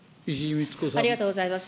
ありがとうございます。